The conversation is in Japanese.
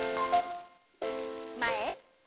前。